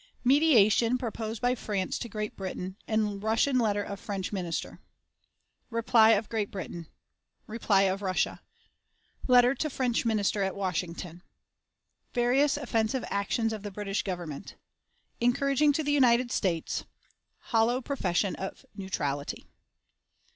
Mediation proposed by France to Great Britain, and Russian Letter of French Minister. Reply of Great Britain. Reply of Russia. Letter to French Minister at Washington. Various Offensive Actions of the British Government. Encouraging to the United States. Hollow Profession of Neutrality.